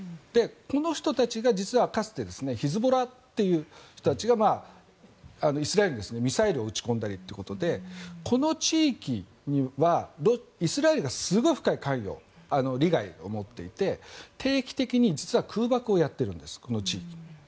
この人たちが実はかつてヒズボラという人たちがイスラエルにミサイルを撃ち込んだりということでこの地域にはイスラエルがすごい深い関与利害を持っていて定期的に実は空爆をやっているんです、この地域に。